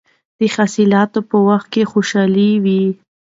د حاصلاتو په وخت کې خوشحالي وي.